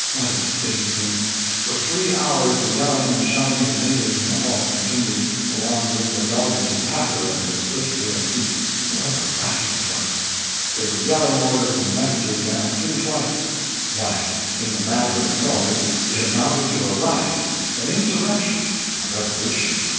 What a state of things! For three hours the yelling and shouting of natives in the hall continued, along with the velvety patter of their swift bare feet what a racket it was! They were yelling orders and messages down three flights. Why, in the matter of noise it amounted to a riot, an insurrection, a revolution.